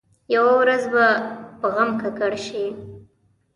یوه ورځ به په غم ککړ شي.